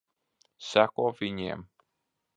Seko viņiem.